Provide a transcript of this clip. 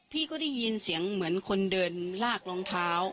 พี่ก็ได้ยินเสียงเหมือนคนเดินลากรองเท้า